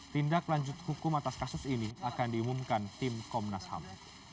tindak lanjut hukum atas kasus ini akan diumumkan tim komnas ham